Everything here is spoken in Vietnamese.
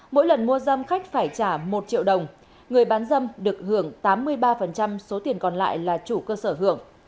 mỗi lần mua dâm khách phải trả một triệu đồng người bán dâm được hưởng tám mươi ba số tiền còn lại là chủ cơ sở hưởng